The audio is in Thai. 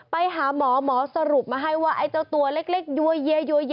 ไปหาหมอหมอสรุปมาให้ว่าไอ้เจ้าตัวเล็กยัวเยัว